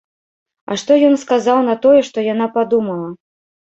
А што ён сказаў на тое, што яна падумала?